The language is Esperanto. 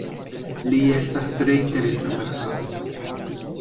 Li estas tre interesa persono.